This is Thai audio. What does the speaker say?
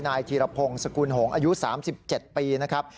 ธีรพงศ์สกุลหงษ์อายุ๓๗ปีนะครับ